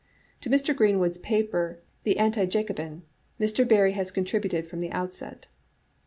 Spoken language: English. To Mr. Greenwood's paper, the Anti Jacobin^ Mr. Barrie has contributed from the outset.